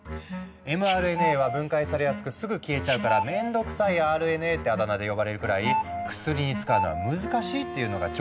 ｍＲＮＡは分解されやすくすぐ消えちゃうから「めんどくさいＲＮＡ」ってあだ名で呼ばれるくらい「薬に使うのは難しい」っていうのが常識だったからなんだ。